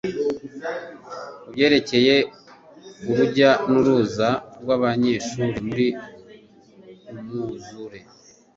kubyerekeye urujya n'uruza rw'abanyeshuri muri umwuzure